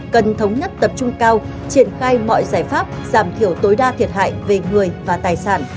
cần thống nhất tập trung cao triển khai mọi giải pháp giảm thiểu tối đa thiệt hại về người và tài sản